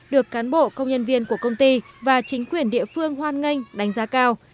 được cán bộ công nhân viên của công ty và chính quyền địa phương hoan nghênh đánh giá cao